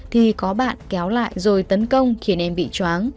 thì có bạn kéo lại rồi tấn công khiến em bị chóng